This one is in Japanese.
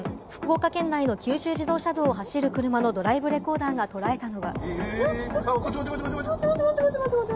午後、福岡県内の九州自動車道を走る車のドライブレコーダーが捉えたのは。